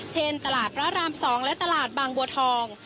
เช่นตลาดพระราม๒และตลาดบางบัวทอง